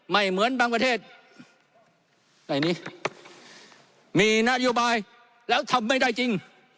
เหมือนบางประเทศในนี้มีนโยบายแล้วทำไม่ได้จริง